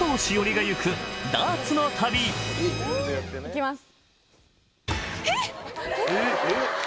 いきます。